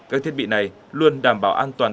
các thiết bị này luôn đảm bảo an toàn